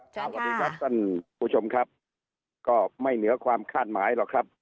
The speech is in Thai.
สวัสดีครับท่านผู้ชมครับก็ไม่เหนือความคาดหมายหรอกครับ